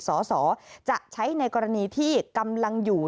สอสอจะใช้ในกรณีที่กำลังอยู่